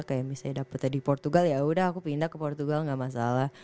kayak misalnya dapetnya di portugal yaudah aku pindah ke portugal gak masalah